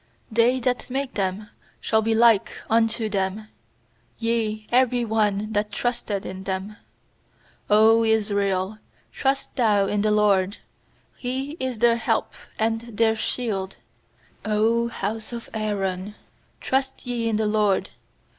They that make them shall be like unto them; Yea, every one that trusteth in them. 90 Israel, trust thou in the LORD! He is their help and their shield! 100 house of Aaron, trust ye in the LORD!